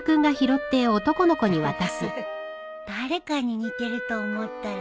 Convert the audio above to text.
誰かに似てると思ったら。